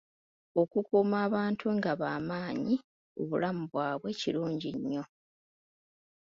Okukuuma abantu nga bamanyi obulamu bwabwe kirungi nnyo.